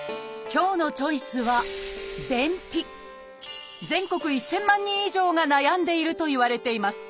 今日のチョイスは全国１，０００万人以上が悩んでいるといわれています。